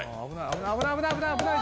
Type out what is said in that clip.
危ない。